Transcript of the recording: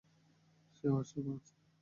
সে ওয়াশরুমে আছে।